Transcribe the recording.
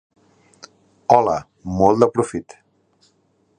Hola, molt de profit!